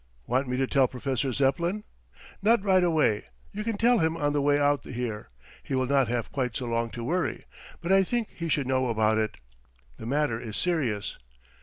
"Want me to tell Professor Zepplin?" "Not right away. You can tell him on the way out here. He will not have quite so long to worry, but I think he should know about it. The matter is serious.